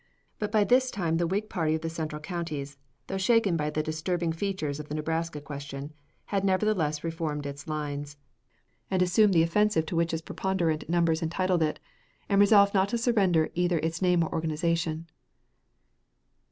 But by this time the Whig party of the central counties, though shaken by the disturbing features of the Nebraska question, had nevertheless reformed its lines, and assumed the offensive to which its preponderant numbers entitled it, and resolved not to surrender either its name or organization.